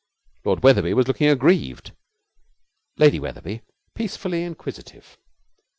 Lord Wetherby was looking aggrieved, Lady Wetherby peacefully inquisitive.